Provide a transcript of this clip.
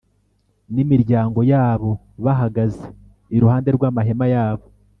n imiryango yabo bahagaze iruhande rw amahema yabo